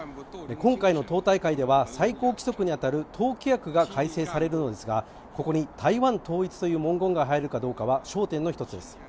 今回の党大会では最高規則に当たる党規約が改正されるのですがここに「台湾統一」という文言が入るかどうかは焦点の一つです。